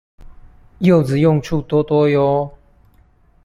柚子用處多多唷